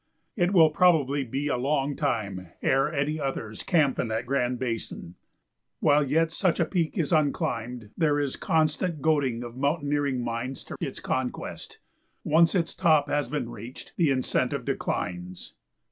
It will probably be a long time ere any others camp in that Grand Basin. While yet such a peak is unclimbed, there is constant goading of mountaineering minds to its conquest; once its top has been reached, the incentive declines.